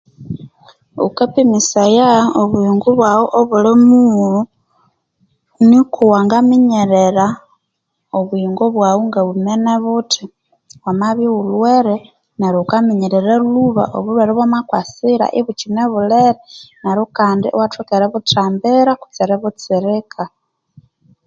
Ghukapimisaya obuyingo bwaghu obulhimughulhu niko wangaminyerera obuyingo bwaghu ngabwimene buti wamabya ighulhwere neryo ghukaminyerera lhuba obulhwere obwamakasira ibukine bulhere neryo kandi iwathoka eributhathambira kutsi eributsirika